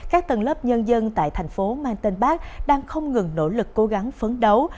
các tầng lớp nhân dân tại tp mtb đang không ngừng nỗ lực cố gắng phấn đấu